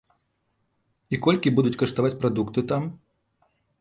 І колькі будуць каштаваць прадукты там?